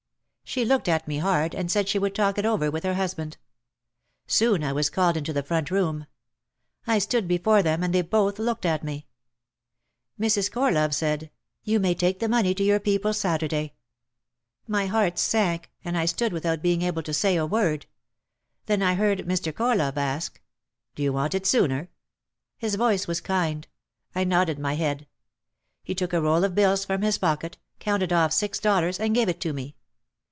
She looked at me hard and said she would talk it over with her husband. Soon I was called into the front room. I stood before them and they both looked at me. Mrs. Corlove said : "You may take the money to your people Saturday." My heart sank and I stood without being able to say a word. Then I heard Mr. Corlove ask : "Do you want it sooner?" His voice was kind. I nodded my head. He took a roll of bills from his pocket, counted off six dollars and gave it to me.